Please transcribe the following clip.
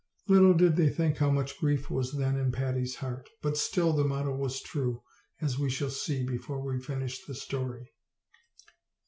Little did they think how much grief was then in Patty's heart. But still the motto was true, as we shall tee before we finish the story.